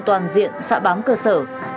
toàn diện xã bám cơ sở